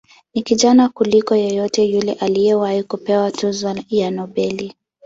Ni kijana kuliko yeyote yule aliyewahi kupewa tuzo ya Nobel.